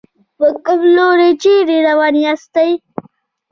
په کوم لوري چېرې روان ياستئ.